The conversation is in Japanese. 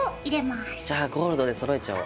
じゃあゴールドでそろえちゃお。